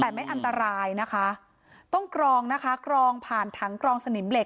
แต่ไม่อันตรายนะคะต้องกรองนะคะกรองผ่านถังกรองสนิมเหล็